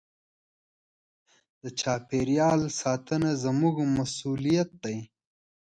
د چاپېریال ساتنه زموږ مسوولیت دی.